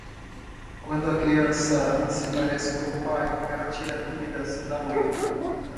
Quando a criança se parece com o pai, ele tira dúvidas da mãe.